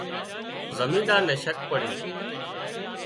زمينۮار نين شڪ پڙيو